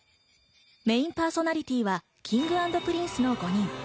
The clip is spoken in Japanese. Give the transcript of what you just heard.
メインパーソナリティーはＫｉｎｇ＆Ｐｒｉｎｃｅの５人。